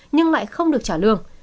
nhưng lại không được trả lương